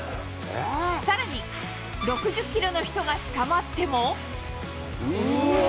さらに、６０キロの人がつかまっても。